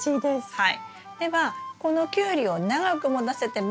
はい！